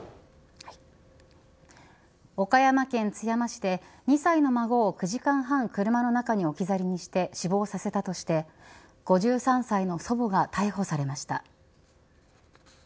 岡山県津山市で２歳の孫を９時間半車の中に置き去りにして死亡させたとして５３歳の祖母が逮捕されました。